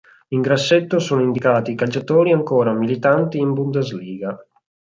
In grassetto sono indicati i calciatori ancora militanti in Bundesliga.